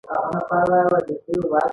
خوشحال خان خټک د دواړو مخالف و.